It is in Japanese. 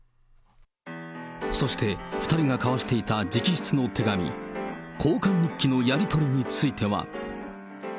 そして、２人が交わしていた直筆の手紙、交換日記のやり取りについては。